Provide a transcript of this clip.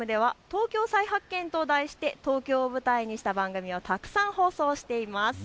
東京再発見と題して東京を舞台にした番組をたくさん放送しています。